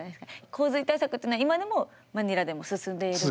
洪水対策っていうのは今でもマニラでも進んでいるんですか？